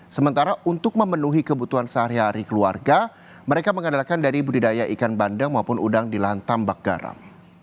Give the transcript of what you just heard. sementara untuk memenuhi kebutuhan sehari hari keluarga mereka mengandalkan dari budidaya ikan bandeng maupun udang di lahan tambak garam